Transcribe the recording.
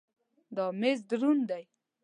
دا مېز دروند دی.